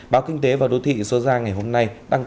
báo kinh tế và đô thị số ra ngày hôm nay